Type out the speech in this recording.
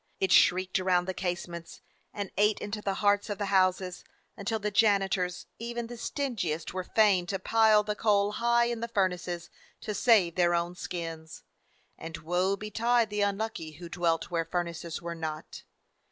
It shrieked around the casements and ate into the hearts of the houses, until the janitors, even the stingiest, were fain to pile the coal high in the furnaces to save theix* own skins; and woe betide the unlucky who dwelt where furnaces were not!